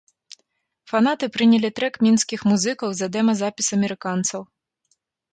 Фанаты прынялі трэк мінскіх музыкаў за дэма-запіс амерыканцаў.